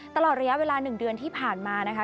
ตลอดระยะเวลา๑เดือนที่ผ่านมานะคะ